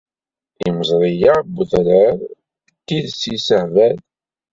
Imeẓri-a n wedrar d tidet yessehbal.